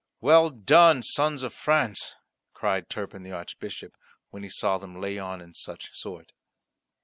"Well done, Sons of France!" cried Turpin the Archbishop, when he saw them lay on in such sort.